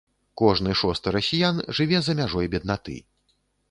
Кожны шосты расіян жыве за мяжой беднаты.